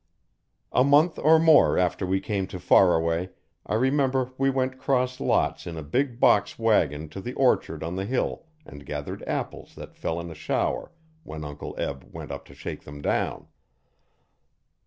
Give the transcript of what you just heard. A month or more after we came to Faraway, I remember we went 'cross lots in a big box wagon to the orchard on the hill and gathered apples that fell in a shower when Uncle Eb went up to shake them down.